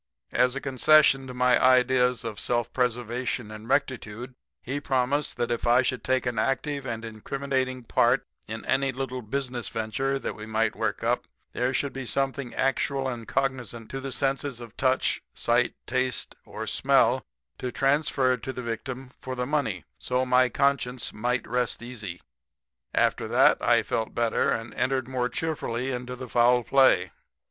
"As a concession to my ideas of self preservation and rectitude he promised that if I should take an active and incriminating part in any little business venture that we might work up there should be something actual and cognizant to the senses of touch, sight, taste or smell to transfer to the victim for the money so my conscience might rest easy. After that I felt better and entered more cheerfully into the foul play.